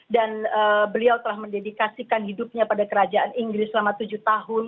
dan beliau telah mendedikasikan hidupnya pada kerajaan inggris selama tujuh tahun